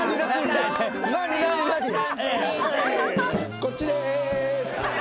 こっちです！